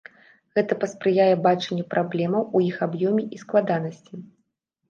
Гэта паспрыяе бачанню праблемаў у іх аб'ёме і складанасці.